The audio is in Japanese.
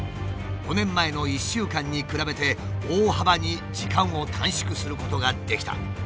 ５年前の１週間に比べて大幅に時間を短縮することができた。